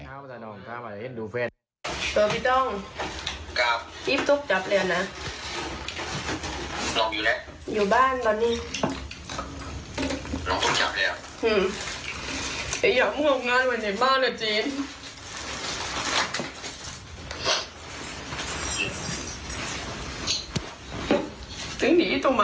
อันนี้ก็ว่าให้เธอค้าวมาถ้าเธอค้าวมาเธอไสว์ฉันนะ